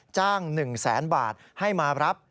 จ้าง๑๐๐๐๐๐บาทให้มารับ